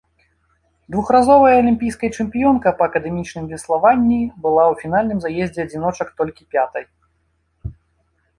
Двухразовая алімпійская чэмпіёнка па акадэмічным веславанні была ў фінальным заездзе адзіночак толькі пятай.